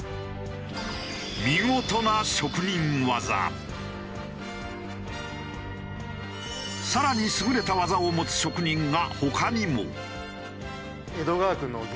これが更に優れた技を持つ職人が他にも。